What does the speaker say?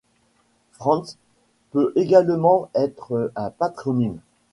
Franz peut également être un patronyme.